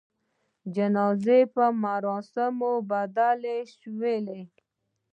جنازې په مراسموبدل سول.